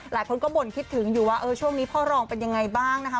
หลายคนก็บ่นคิดถึงอยู่ว่าช่วงนี้พ่อรองเป็นยังไงบ้างนะคะ